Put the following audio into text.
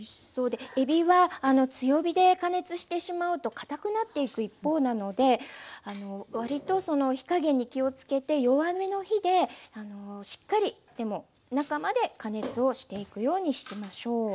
でえびは強火で加熱してしまうとかたくなっていく一方なので割と火加減に気をつけて弱めの火でしっかりでも中まで加熱をしていくようにしましょう。